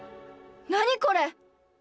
何これ？